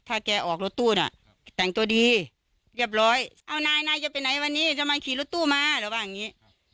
ถ้าแกออกรถตู้น่ะแต่งตัวดีเรียบร้อยเอานายนายจะไปไหนวันนี้ทำไมขี่รถตู้มาเราว่าอย่างนี้